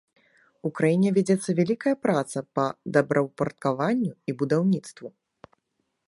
У краіне вядзецца вялікая праца па добраўпарадкаванню і будаўніцтву.